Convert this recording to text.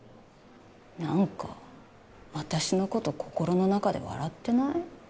何か私のこと心の中で笑ってない？